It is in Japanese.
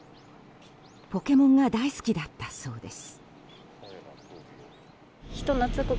「ポケモン」が大好きだったそうです。